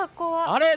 あれ？